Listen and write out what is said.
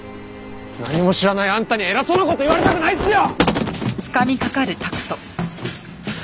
何も知らないあんたに偉そうな事言われたくないっすよ！